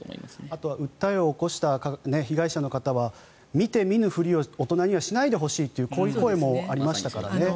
あとは訴えを起こした被害者の方は見て見ぬふりを大人にはしないでほしいという声もありましたからね。